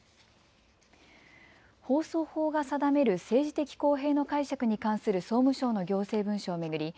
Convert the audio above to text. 放送法が定める政治的公平の解釈に関する総務省の行政文書を巡り